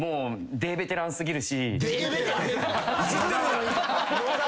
大ベテランすぎるし。